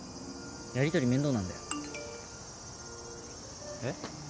やりとり面倒なんだよえっ？